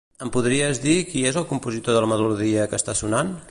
Em podries dir qui és el compositor de la melodia que està sonant?